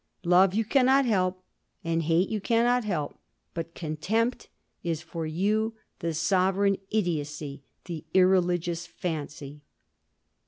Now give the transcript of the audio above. Love you cannot help, and hate you cannot help; but contempt is—for you—the sovereign idiocy, the irreligious fancy!"